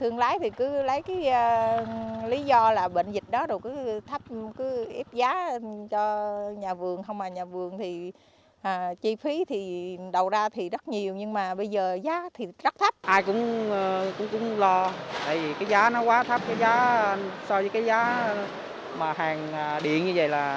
mà hàng điện như vậy là người nông dân lỗ rất là nhiều